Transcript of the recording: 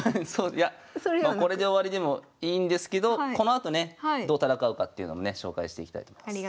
いやもうこれで終わりでもいいんですけどこのあとねどう戦うかっていうのもね紹介していきたいと思います。